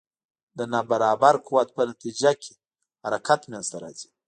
د نا برابر قوت په نتیجه کې حرکت منځته راځي.